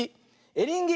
エリンギ。